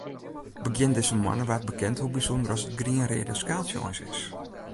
Begjin dizze moanne waard bekend hoe bysûnder as it grien-reade skaaltsje eins is.